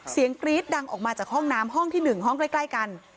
กรี๊ดดังออกมาจากห้องน้ำห้องที่๑ห้องใกล้กัน